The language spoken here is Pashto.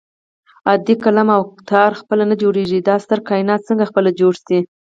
عادي قلم او تار خپله نه جوړېږي دا ستر کائنات څنګه خپله جوړ شي